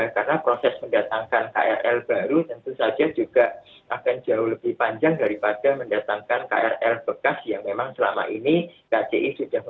karena proses mendatangkan krl baru tentu saja juga akan jauh lebih panjang daripada mendatangkan krl bekas yang memang selama ini kci sudah memiliki kerja sama